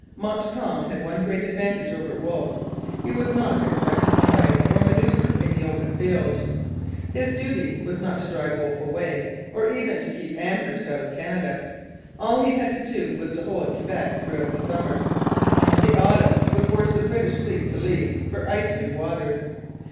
Montcalm had one great advantage over Wolfe. He was not expected to fight or manoeuvre in the open field. His duty was not to drive Wolfe away, or even to keep Amherst out of Canada. All he had to do was to hold Quebec throughout the summer. The autumn would force the British fleet to leave for ice free waters.